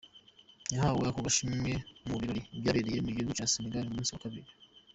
Yahawe ako gashimwe mu birori vyabereye mu gihugu ca Senegal ku musi wa kabiri.